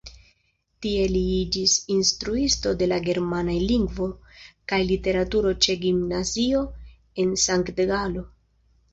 Tie li iĝis instruisto de la germanaj lingvo kaj literaturo ĉe gimnazio en Sankt-Galo.